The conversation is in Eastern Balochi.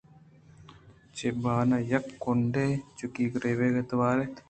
چہ بان ءِ یک کنڈے ءَ چُکی گریوگ ءِ توار اَت